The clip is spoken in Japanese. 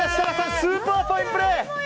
スーパーファインプレー！